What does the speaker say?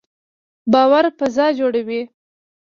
باور فضا جوړوي